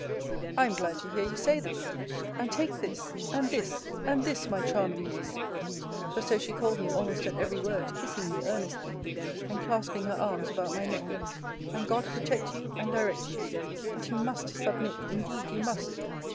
I am glad to hear you say this: and take this, and this, and this, my charming Niece! (for so she called me almost at every word, kissing me earnestly, and clasping her arms about my neck:) and God protect you, and direct you! But you must submit: indeed you must.